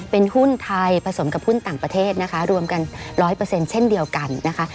เป็นหุ้นไทยผสมกับหุ้นต่างประเทศนะคะรวมกัน๑๐๐เช่นเดียวกันนะคะ